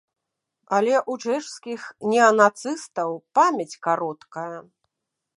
Але ў чэшскіх неанацыстаў памяць кароткая.